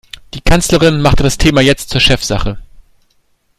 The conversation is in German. Die Kanzlerin machte das Thema jetzt zur Chefsache.